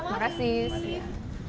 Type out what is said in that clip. terima kasih ya